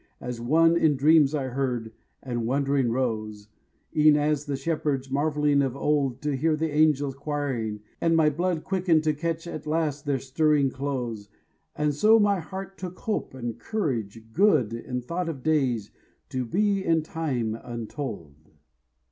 As one in dreams I heard, and wondering rose; E'en as the shepherds' marvelling of old To hear the angels quiring, and my blood Quickened to catch at last their stirring close, And so my heart took hope and courage good In thought of days to be in time untold.